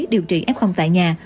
điều trị f tại nhà